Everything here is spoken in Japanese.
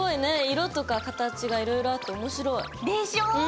色とか形がいろいろあっておもしろい！でしょ？